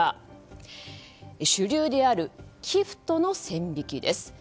主流である寄付との線引きです。